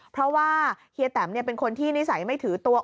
เพราะว่าเฮียแตมเป็นคนที่นิสัยไม่ถือตัว